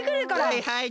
はいはい。